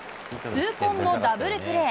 痛恨のダブルプレー。